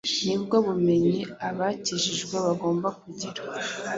ni bwo bumenyi abakijijwe bagomba kugira